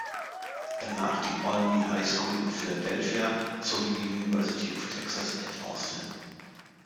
Danach die "Olney High School" in Philadelphia sowie die "University of Texas at Austin".